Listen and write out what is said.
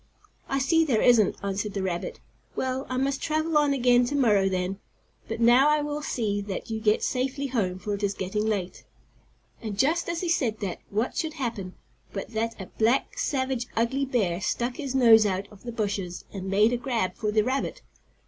"I see there isn't," answered the rabbit. "Well, I must travel on again to morrow, then. But now I will see that you get safely home, for it is getting late." And, just as he said that, what should happen but that a black, savage, ugly bear stuck his nose out of the bushes and made a grab for the rabbit.